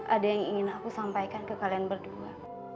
ada yang ingin aku sampaikan ke kalian berdua